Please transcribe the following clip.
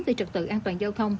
từ trật tự an toàn giao thông